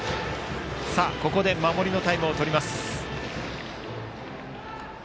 ここで守りのタイムを取ります。